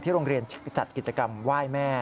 ที่โรงเรียนจัดกิจกรรมว่ายแม่